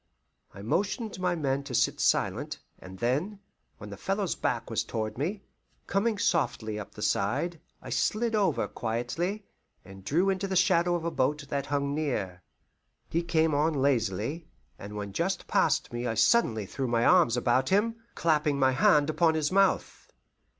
I motioned my men to sit silent, and then, when the fellow's back was toward me, coming softly up the side, I slid over quietly, and drew into the shadow of a boat that hung near. He came on lazily, and when just past me I suddenly threw my arms about him, clapping my hand upon his mouth.